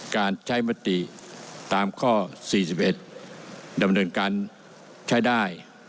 การใช้มติตามข้อ๔๑ดำเนินการใช้ได้